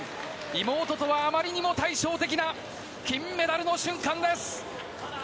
妹とはあまりにも対照的な金メダルの瞬間です。